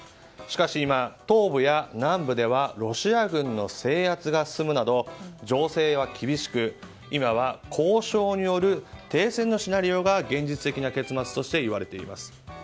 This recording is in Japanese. しかし今、東部や南部ではロシア軍の制圧が進むなど情勢は厳しく今は交渉による停戦のシナリオが現実的な結末としていわれています。